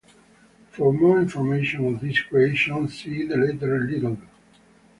For more information on this creation, see the latter title.